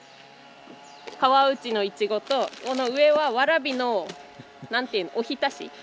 川内のいちごとこの上はわらびの何ていうのおひたし。